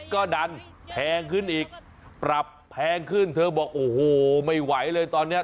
ก็ดันแพงขึ้นอีกปรับแพงขึ้นเธอบอกโอ้โหไม่ไหวเลยตอนนี้